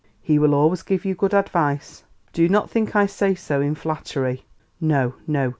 He will always give you good advice. Do not think I say so in flattery. No! No!